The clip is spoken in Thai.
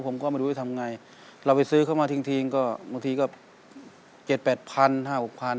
ผมก็ไม่รู้จะทำง่ายเราไปซื้อเข้ามาทิ้งทิ้งก็บางทีก็เจ็ดแปดพันห้าหกพัน